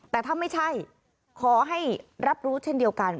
แต่ถ้าไม่ใช่ขอให้รับรู้เช่นเดียวกัน